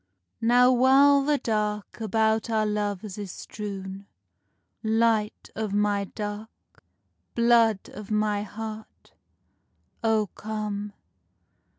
Now while the dark about our loves is strewn, Light of my dark, blood of my heart, O come!